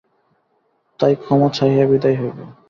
তাই ক্ষমা চাহিয়া বিদায় হইব।